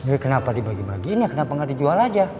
jadi kenapa dibagi bagiin ya kenapa gak dijual aja